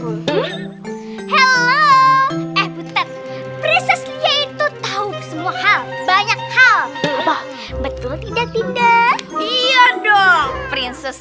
ustazan dulu hello eh betul betul tahu semua hal banyak hal betul tidak tidak iya dong prinses